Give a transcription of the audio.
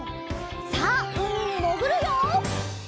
さあうみにもぐるよ！